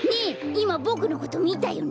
いまボクのことみたよね？